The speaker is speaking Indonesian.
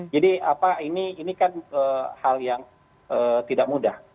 jadi apa ini ini kan hal yang tidak mudah